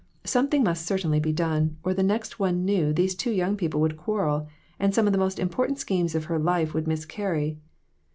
Something must certainly be done, or the next one knew these two young people would quarrel, and some of the most important schemes of her life would miscarry.